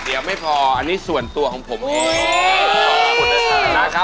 เดี๋ยวไม่พออันนี้ส่วนตัวของผมเอง